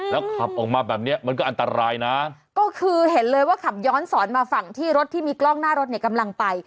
แล้วขับออกมาแบบเนี้ยมันก็อันตรายนะก็คือเห็นเลยว่าขับย้อนสอนมาฝั่งที่รถที่มีกล้องหน้ารถเนี่ยกำลังไป